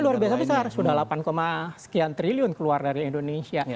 luar biasa besar sudah delapan sekian triliun keluar dari indonesia